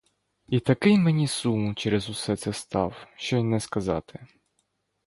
І такий мені сум через усе це став, що й не сказати!